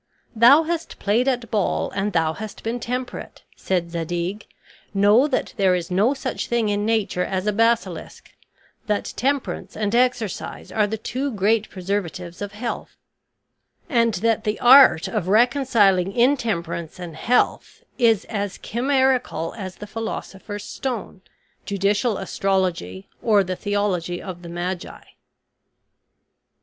"Thou hast played at ball, and thou hast been temperate," said Zadig; "know that there is no such thing in nature as a basilisk; that temperance and exercise are the two great preservatives of health; and that the art of reconciling intemperance and health is as chimerical as the philosopher's stone, judicial astrology, or the theology of the magi."